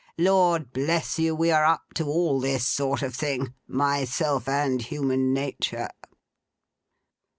Lord bless you, we are up to all this sort of thing—myself and human nature.